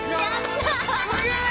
すげえ！